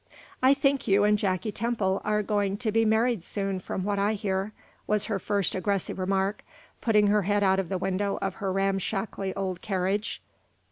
"I think you and Jacky Temple are going to be married soon, from what I hear," was her first aggressive remark, putting her head out of the window of her ramshackly old carriage.